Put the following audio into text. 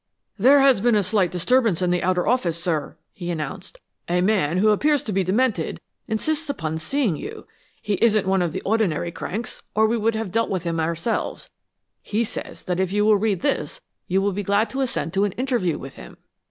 "There has been a slight disturbance in the outer office, sir," he announced. "A man, who appears to be demented, insists upon seeing you. He isn't one of the ordinary cranks, or we would have dealt with him ourselves. He says that if you will read this, you will be glad to assent to an interview with him."